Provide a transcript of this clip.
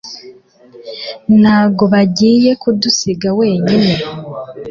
Ntabwo bagiye kudusiga wenyine